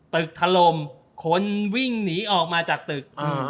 ถล่มคนวิ่งหนีออกมาจากตึก